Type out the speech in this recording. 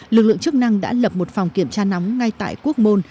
lực lượng chức năng đã lập một phòng kiểm tra nóng ngay tại quốc môn